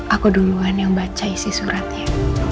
aku duluan yang baca isi suratnya